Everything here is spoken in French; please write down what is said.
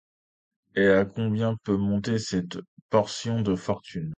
Et à combien peut monter cette portion de fortune ?